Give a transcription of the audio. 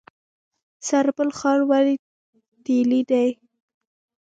سرپل ښار ولې تیلي دی؟